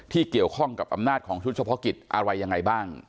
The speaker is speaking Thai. เกี่ยวข้องกับอำนาจของชุดเฉพาะกิจอะไรยังไงบ้าง